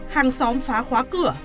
hàng xóm phá khóa cửa